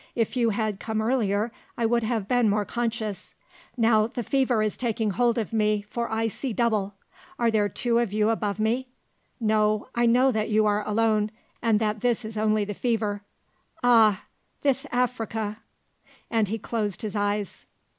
If you had come earlier I would have been more conscious. Now the fever is taking hold of me, for I see double. Are there two of you above me? No, I know that you are alone and that this is only the fever. Ah! this Africa!" And he closed his eyes.